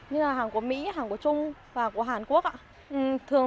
như là hàng của mỹ hàng của trung và của hàn quốc ạ